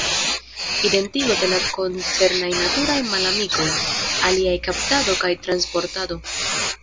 Identigo de la koncernaj naturaj malamikoj, iliaj kaptado kaj transportado.